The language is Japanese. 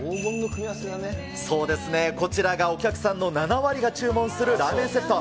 そうですね、こちらがお客さんの７割が注文するラーメンセット。